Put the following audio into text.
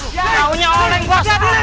jauhnya orang gua